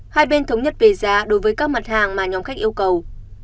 hai bên thống nhất về giá đối với các mặt hàng mà nhóm khách yêu cầu